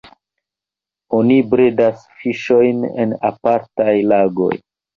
Oni bredas fiŝojn en apartaj lagoj.